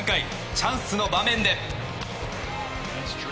チャンスの場面で。